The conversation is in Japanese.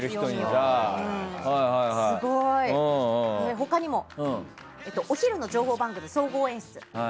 他にもお昼の情報番組総合演出。